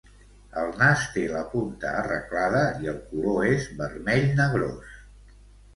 El nas té la punta arreglada i el color és vermell negrós.